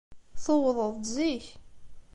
Tuwḍed-d zik.